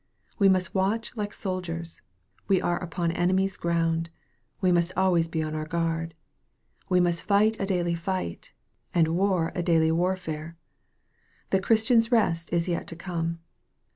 We must watch like soldiers we are upon enemy's ground. We must always be' on our guard. We must fight a daily fight, and war a daily warfare. The Christian's rest is yet to come.